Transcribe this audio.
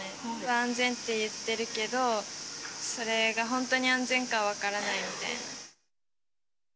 安全って言ってるけど、それが本当に安全かは分からないので。